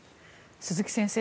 鈴木先生